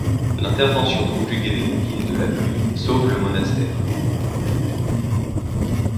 L'intervention conjuguée des pompiers et de la pluie sauve le monastère.